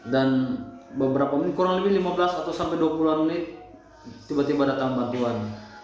dan kurang lebih lima belas atau sampai dua puluh menit tiba tiba datang bantuan